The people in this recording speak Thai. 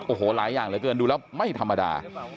โอ้โหหลายอย่างเหลือเกินดูแล้วไม่ธรรมดา